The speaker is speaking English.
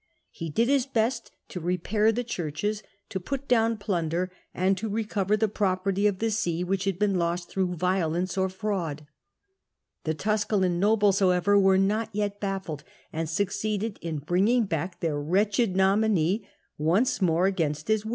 He did his best to repair the churches, to put down plunder, and to recover the pro perty of the see which had been lost through violence or fraud. The Tusculan nobles, however, were not yet baffled, and succeeded in bringing back their wretched Three claim ^^0^^^^ ^^^ XQXst^ agaiust his wiU.